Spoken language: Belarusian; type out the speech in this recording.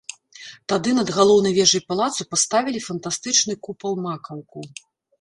Тады над галоўнай вежай палацу паставілі фантастычны купал-макаўку.